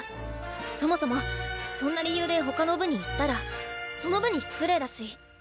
そもそもそんな理由で他の部に行ったらその部に失礼だし。